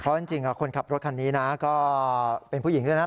เพราะจริงคนขับรถคันนี้นะก็เป็นผู้หญิงด้วยนะ